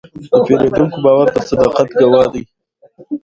د پیرودونکي باور د صداقت ګواه دی.